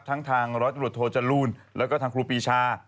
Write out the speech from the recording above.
ทั้งทางรถรวจโทษจรูลแล้วก็ทางครูปีชา